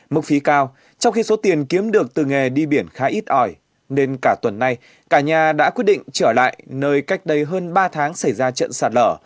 mức phí cao trong khi số tiền kiếm được từ nghề đi biển khá ít ỏi nên cả tuần nay cả nhà đã quyết định trở lại nơi cách đây hơn ba tháng xảy ra trận sạt lở